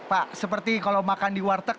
pak seperti kalau makan di warteg